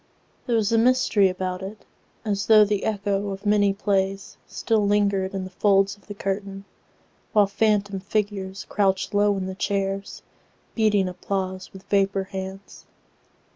There was a mystery about it, As though the echo of many playsStill lingered in the folds of the curtain, While phantom figures crouched low in the chairs, Beating applause with vapor hands.